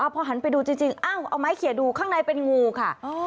พอหันไปดูจริงเอาไม้เขียนดูข้างในเป็นงูค่ะ